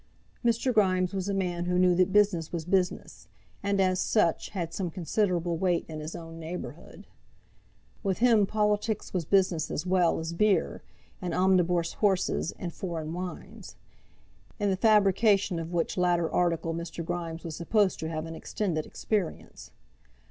Mr. Grimes was a man who knew that business was business, and as such had some considerable weight in his own neighbourhood. With him politics was business, as well as beer, and omnibus horses, and foreign wines; in the fabrication of which latter article Mr. Grimes was supposed to have an extended experience.